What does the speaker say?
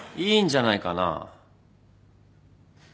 いいんじゃないかな。